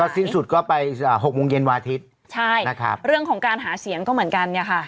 สิ้นสุดก็ไป๖โมงเย็นวันอาทิตย์ใช่นะครับเรื่องของการหาเสียงก็เหมือนกันเนี่ยค่ะ